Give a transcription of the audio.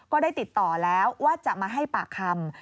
ก็ได้ติดต่อแล้วว่าจะมาให้ปากคำ